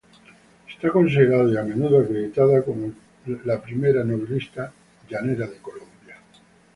Es considerada y a menudo acreditada como la primera novelista llanera de Colombia.